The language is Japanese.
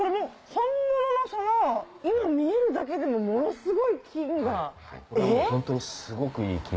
本物のその今見えるだけでもものすごい金が。